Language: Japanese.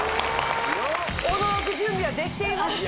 驚く準備はできていますか？